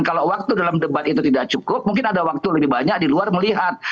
kalau waktu dalam debat itu tidak cukup mungkin ada waktu lebih banyak di luar melihat